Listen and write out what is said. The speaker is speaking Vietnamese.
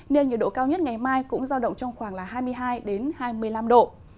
nên nhiều độ cao nhất ngày mai cũng giao động trong khoảng hai mươi hai hai mươi năm độ